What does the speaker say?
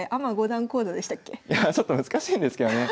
ちょっと難しいんですけどね。